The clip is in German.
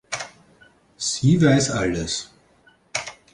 Sie weiß alles.